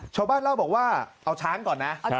ชาวบ้านเล่าบอกว่าเอาช้างก่อนนะ